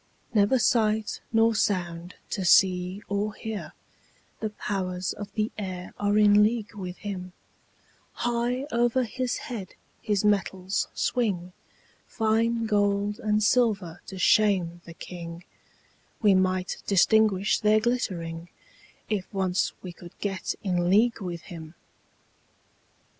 Never sight nor sound to see or hear; The powers of the air are in league with him; High over his head his metals swing, Fine gold and silver to shame the king; We might distinguish their glittering, If once we could get in league with him.